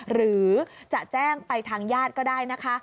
หรือจะแจ้งไปทางญาติก็ได้นะคะ